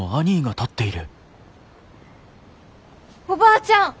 おばあちゃん！